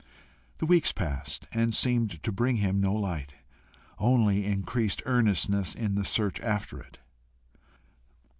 The weeks passed and seemed to bring him no light, only increased earnestness in the search after it.